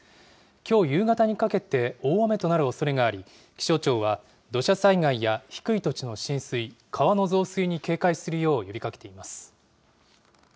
きょう夕方にかけて大雨となるおそれがあり、気象庁は、土砂災害や低い土地の浸水、川の増水に警戒するよう呼びかけています。